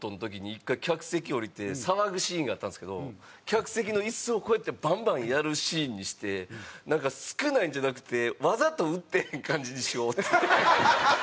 １回客席降りて騒ぐシーンがあったんですけど客席の椅子をこうやってバンバンやるシーンにしてなんか「少ないんじゃなくてわざと売ってへん感じにしよう」って言って。